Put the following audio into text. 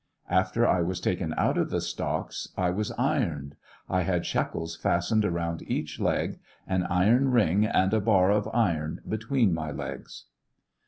After I was taken out of the stocks I was ii'oned ; I had shackles fastened around each leg, an iron ring and a bar of iron between iny legs.